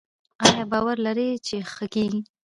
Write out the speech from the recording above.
ایا باور لرئ چې ښه کیږئ؟